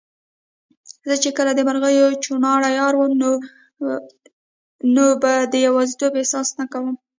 زه چي کله د مرغیو چوڼاری اورم، نو به د یوازیتوب احساس نه کوم